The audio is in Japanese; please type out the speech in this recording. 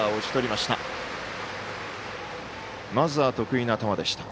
まずは得意な球でした。